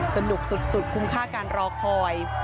สนุกสุดคุ้มค่าการรอคอย